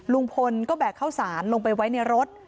ลุงพลก็แบกข้าวสารลงไปไว้ในรถ